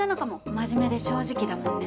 真面目で正直だもんね。